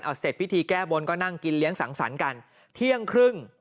เอาเสร็จพิธีแก้บนก็นั่งกินเลี้ยงสังสรรค์กันเที่ยงครึ่ง